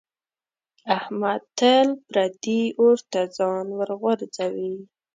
احمد تل پردي اور ته ځان ورغورځوي.